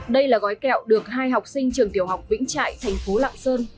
đây là gói kẹo được hai học sinh trường tiểu học vĩnh trại thành phố lạng sơn